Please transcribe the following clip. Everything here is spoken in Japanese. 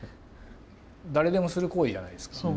誰でもする行為じゃないですか。